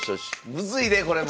むずいでこれも！